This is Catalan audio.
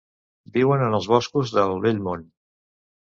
Viuen en els boscos del Vell Món.